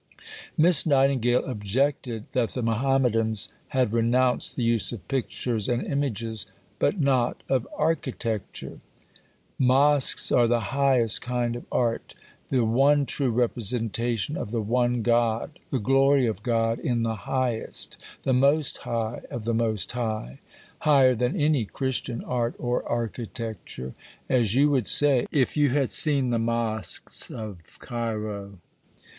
Miss Nightingale objected that the Mahommedans had renounced the use of pictures and images, but not of architecture: "Mosques are the highest kind of art: the one true representation of the One God: the Glory of God in the highest: the most high of the Most High: higher than any Christian art or architecture as you would say if you had seen the mosques of Cairo."